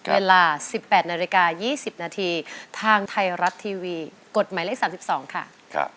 เวลา๑๘นาฬิกา๒๐นาทีทางไทยรัฐทีวีกฎหมายเลข๓๒ค่ะ